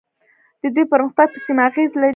د دوی پرمختګ په سیمه اغیز لري.